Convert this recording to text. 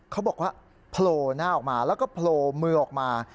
เขาบอกว่าโผล่หน้าออกมาแล้วก็โผล่มือออกมา